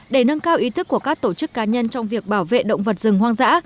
để nâng cao ý thức của các tổ chức cá nhân trong việc bảo vệ động vật rừng hoang dã